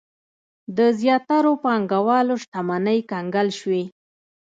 د زیاترو پانګوالو شتمنۍ کنګل شوې.